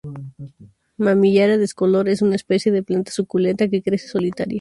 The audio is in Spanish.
Mammillaria discolor es una especie de planta suculenta que crece solitaria.